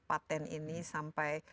patent ini sampai